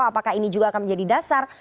apakah ini juga akan menjadi dasar